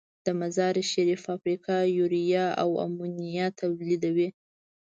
د مزارشریف فابریکه یوریا او امونیا تولیدوي.